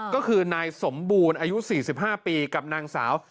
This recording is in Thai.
ก็คือนายสมบูรณ์อายุ๔๕ปีกับนางสาว